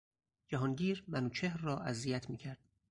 جهانگیر منوچهر را اذیت میکرد.